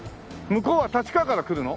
向こうは立川から来るの？